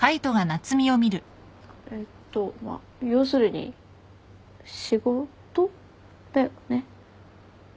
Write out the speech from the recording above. えっとまあ要するに仕事だよね？